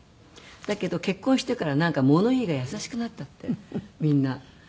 だけど結婚してからなんか物言いが優しくなったってみんな。